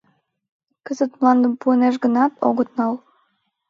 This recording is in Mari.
Кызыт мландым пуынешт гынат, огыт нал.